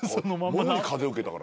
もろに風受けたから。